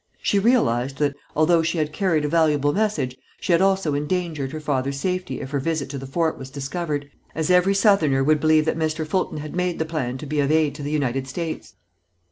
She realized that, although she had carried a valuable message, she had also endangered her father's safety if her visit to the fort was discovered, as every southerner would believe that Mr. Fulton had made the plan to be of aid to the United States.